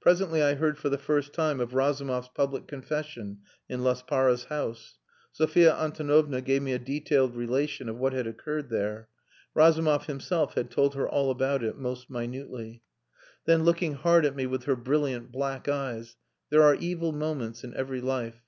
Presently I heard for the first time of Razumov's public confession in Laspara's house. Sophia Antonovna gave me a detailed relation of what had occurred there. Razumov himself had told her all about it, most minutely. Then, looking hard at me with her brilliant black eyes "There are evil moments in every life.